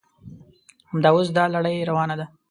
همدا اوس دا لړۍ روانه ده.